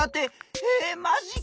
えマジか！